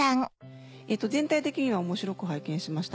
全体的には面白く拝見しました。